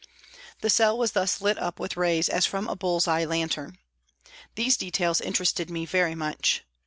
The cell was thus lit up with rays as from a bull's eye lantern. These details interested me very much.